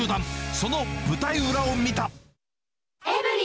その舞台裏を見た。